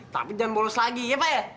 tapi jangan bolos lagi ya pak ya